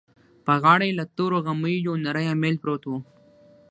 په غاړه يې له تورو غميو يو نری اميل پروت و.